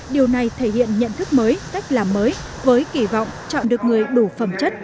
điều này thể hiện nhận thức mới cách làm mới với kỳ vọng chọn được người đủ phẩm chất